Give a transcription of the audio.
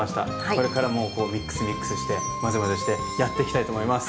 これからもミックスミックスしてまぜまぜしてやっていきたいと思います。